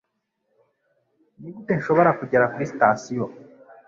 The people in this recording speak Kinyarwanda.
Nigute nshobora kugera kuri sitasiyo?